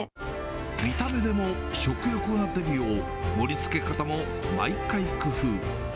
見た目でも食欲が出るよう、盛りつけ方も毎回工夫。